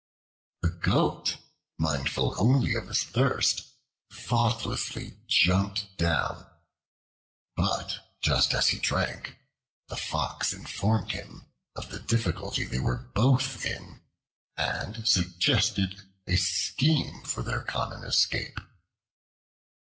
The Goat, mindful only of his thirst, thoughtlessly jumped down, but just as he drank, the Fox informed him of the difficulty they were both in and suggested a scheme for their common escape.